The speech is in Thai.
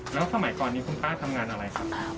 แล้วสมัยก่อนนี้คุณป้าทำงานอะไรครับ